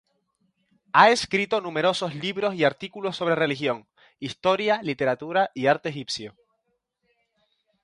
Ha escrito numerosos libros y artículos sobre religión, historia, literatura y arte egipcio.